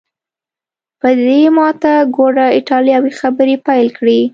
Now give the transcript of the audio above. دی په ماته ګوډه ایټالوي خبرې پیل کړې.